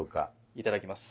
いただきます。